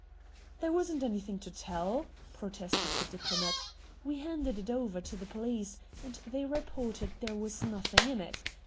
"There wasn't anything to tell," protested the diplomat. "We handed it over to the police, and they reported there was nothing in it.